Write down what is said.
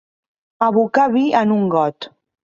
Abocar vi en un got.